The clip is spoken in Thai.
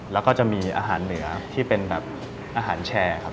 แล้วก็จะมีอาหารเหนือที่เป็นแบบอาหารแชร์ครับ